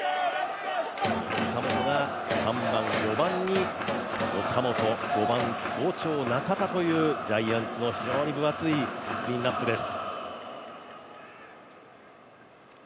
坂本が３番４番に岡本、５番に中田とジャイアンツの非常に分厚いクリーンナップです。